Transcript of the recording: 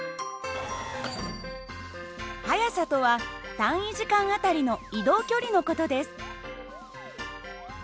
速さとは単位時間あたりの移動距離の事です。